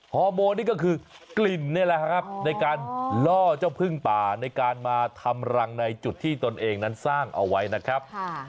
ฮอร์โมนี่ก็คือกลิ่นนี่แหละครับในการล่อเจ้าพึ่งป่าในการมาทำรังในจุดที่ตนเองนั้นสร้างเอาไว้นะครับ